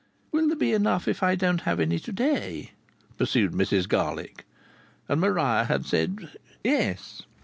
"Will there be enough if I don't have any to day?" pursued Mrs Garlick. And Maria had said, "Yes."